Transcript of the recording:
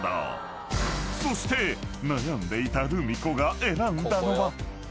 ［そして悩んでいたルミ子が選んだのは］